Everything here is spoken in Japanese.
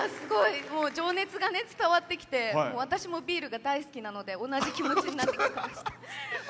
情熱が伝わってきて私もビールが大好きなので同じ気持ちになってきました。